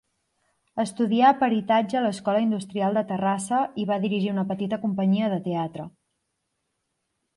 Estudià peritatge a l'Escola Industrial de Terrassa i va dirigir una petita companyia de teatre.